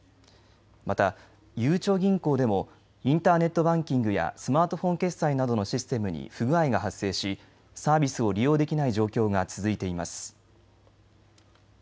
またゆうちょ銀行でもインターネットバンキングやスマートフォン決済などのシステムに不具合が発生しサービスを利用できない状況が続いています。